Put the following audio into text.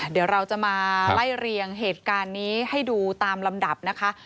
เดี๋ยวเราจะมาไล่เรียงเหตุการณ์นี้ให้ดูตามลำดับนะคะ